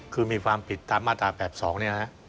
คือมีความผิดตามมาตราแบบ๒นี่นะครับ